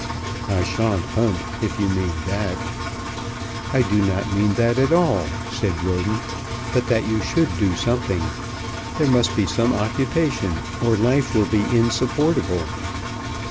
"I shan't hunt, if you mean that." "I do not mean that at all," said Roden; "but that you should do something. There must be some occupation, or life will be insupportable."